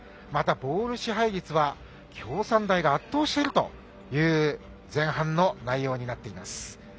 また、ボール支配率は京産大が圧倒しているという前半の内容になっています。